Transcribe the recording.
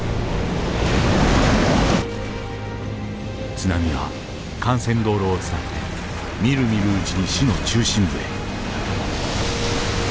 津波は幹線道路を伝ってみるみるうちに市の中心部へ。